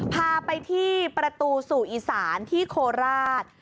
พาไปที่ประตูสู่อีสานที่โคราช